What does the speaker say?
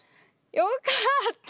よかった！